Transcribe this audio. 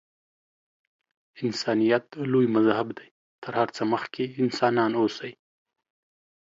انسانیت لوی مذهب دی. تر هر څه مخکې انسانان اوسئ.